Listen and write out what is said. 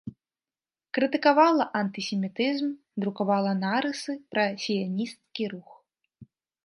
Крытыкавала антысемітызм, друкавала нарысы пра сіянісцкі рух.